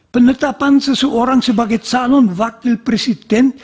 penetapan seseorang sebagai calon wakil presiden